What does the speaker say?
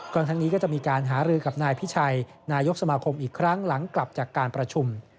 ทั้งนี้ก็จะมีการหารือกับนายพิชัยนายกสมาคมอีกครั้งหลังกลับจากการประชุม